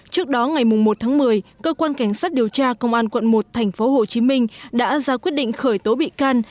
trước đó ngày một tháng một mươi cơ quan cảnh sát điều tra công an quận một tp hcm đã ra quyết định khởi tố bị can